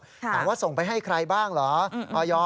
ถามว่าส่งไปให้ใครบ้างเหรอ